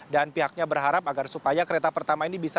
dan pihaknya berharap agar supaya kereta pertama ini berhasil